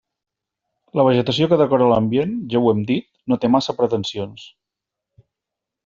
La vegetació que decora l'ambient, ja ho hem dit, no té massa pretensions.